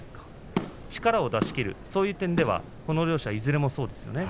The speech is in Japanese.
力を出しきる、そういった点ではこの両者はいずれもそうですね。